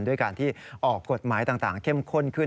ด้วยการที่ออกกฎหมายต่างเข้มข้นขึ้น